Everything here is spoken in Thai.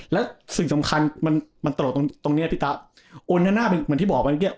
และสิ่งสำคัญมันตลกตรงนี้พี่ต๊ะ